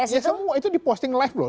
ya semua itu di posting live loh